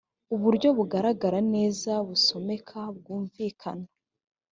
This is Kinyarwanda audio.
uburyo bugaragara neza busomeka bwumvikana